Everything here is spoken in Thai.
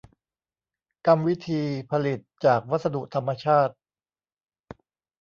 กรรมวิธีผลิตจากวัสดุธรรมชาติ